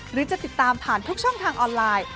หรือจะติดตามผ่านทุกช่องทางออนไลน์